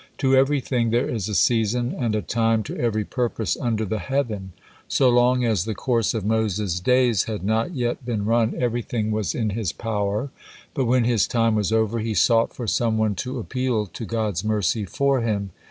"To everything there is a season, and a time to every purpose under the heaven." So long as the course of Moses' days had not yet been run, everything was in his power, but when his time was over, he sought for some one to appeal to God's mercy for him.